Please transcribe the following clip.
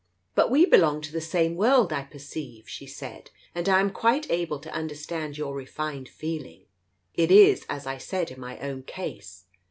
"But we belong to the same world, I perceive," she said, "and I am quite able to understand your refined feeling. It is as I said in my own case.